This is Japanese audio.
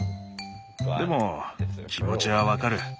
でも気持ちはわかる。